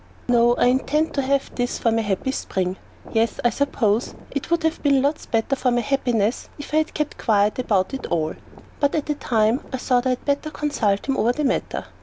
No, I intend to have this for my happy spring. Yes, I suppose it would have been lots better for my happiness if I had kept quiet about it all, but at the time I thought I had better consult him over the matter.